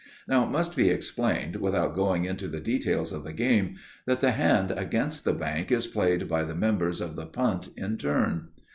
Now it must be explained, without going into the details of the game, that the hand against the bank is played by the members of the punt in turn.